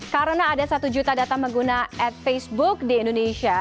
karena ada satu juta data mengguna ad facebook di indonesia